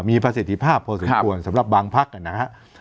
มีประสิทธิภาพพอสมควรครับสำหรับบางพักนะฮะอ่า